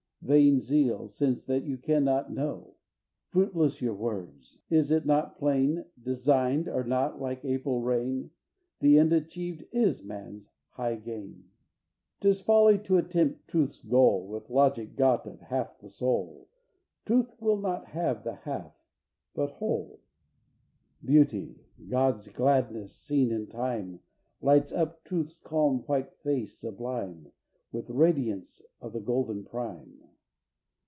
Vain zeal, since that you cannot know. Fruitless your words! Is it not plain, "Designed" or not, like April rain, The end achieved is man's high gain? VI. 'Tis folly to attempt truth's goal With logic got of half the soul, Truth will not have the half, but whole. Beauty, God's gladness seen in time, Lights up Truth's calm white face sublime With radiance of the golden prime!